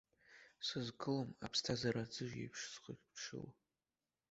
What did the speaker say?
Сызгылом аԥсҭазаара аӡыжь еиԥш схыԥшыло.